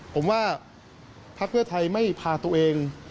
ผมว่าพักเพื่อไทยไม่พาตัวเอง